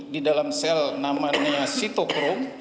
di dalam sel namanya sitokro